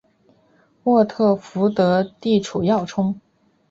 沃特福德地处要冲。